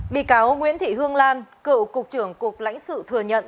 bị cáo nguyễn thị hương lan cựu cục trưởng cục lãnh sự thừa nhận